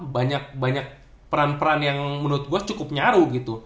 banyak peran peran yang menurut gua cukup nyaru gitu